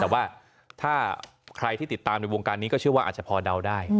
แต่ว่าถ้าใครที่ติดตามในวงการนี้ก็เชื่อว่าอาจจะพอเดาได้